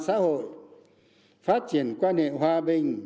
xã hội phát triển quan hệ hòa bình